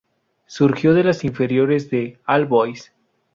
Surgió de las inferiores de All Boys.